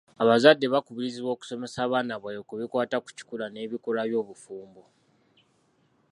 Abazadde bakubirizibwa okusomesa abaana baabwe ku bikwata ku kikula n'ebikolwa by'obufumbo.